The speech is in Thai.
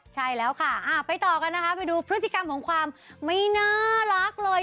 ใช่แล้วค่ะไปต่อกันนะคะไปดูพฤติกรรมของความไม่น่ารักเลย